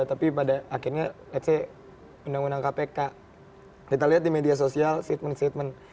tapi pada akhirnya ⁇ lets ⁇ say undang undang kpk kita lihat di media sosial statement statement